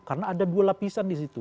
karena ada dua lapisan di situ